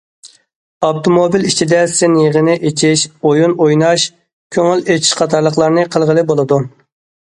ئاپتوموبىل ئىچىدە سىن يىغىنى ئېچىش، ئويۇن ئويناش، كۆڭۈل ئېچىش قاتارلىقلارنى قىلغىلى بولىدۇ.